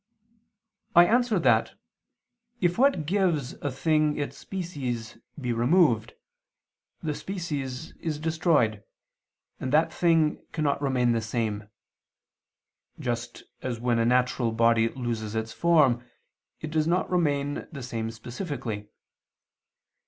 I answer that, If what gives a thing its species be removed, the species is destroyed, and that thing cannot remain the same; just as when a natural body loses its form, it does not remain the same specifically.